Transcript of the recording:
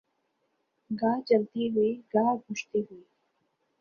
گاہ جلتی ہوئی گاہ بجھتی ہوئی